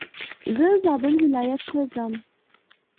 زه زابل ولايت ته ځم.